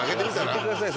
やめてください